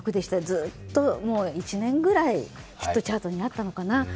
ずっと１年ぐらいヒットチャートにあったのかな？